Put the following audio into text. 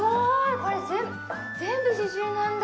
これ全部、刺しゅうなんだ！